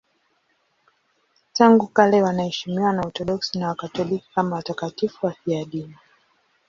Tangu kale wanaheshimiwa na Waorthodoksi na Wakatoliki kama watakatifu wafiadini.